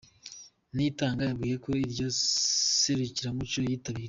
Niyitanga yabwiye ko iryo serukiramuco yitabiriye.